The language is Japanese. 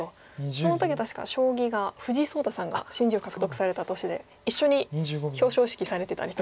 その時確か将棋が藤井聡太さんが新人王獲得された年で一緒に表彰式されてたりと。